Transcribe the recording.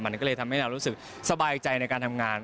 มันก็เลยทำให้เรารู้สึกสบายใจในการทำงาน